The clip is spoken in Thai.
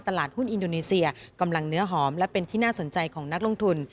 ตลาดหุ้นอินโดนีเซียกำลังเนื้อหอมและเป็นที่น่าสนใจของนักลงทุน